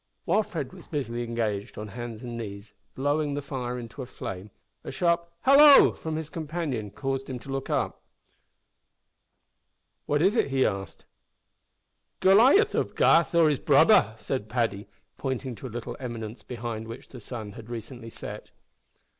While Fred was busily engaged on hands and knees, blowing the fire into a flame, a sharp "hallo!" from his companion caused him to look up. "What is it?" he asked. "Goliath of Gath or his brother!" said Paddy, pointing to a little eminence behind which the sun had but recently set.